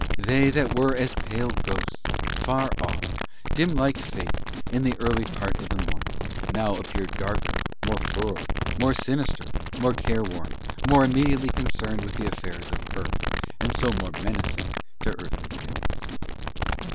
They that were as pale ghosts, far off, dim like Fate, in the early part of the morning, now appeared darker, more furrowed, more sinister, more careworn; more immediately concerned with the affairs of Earth, and so more menacing to earthly things.